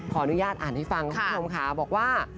ขออนุญาตอ่านให้ฟังคุณผู้ชมค่ะบอกว่า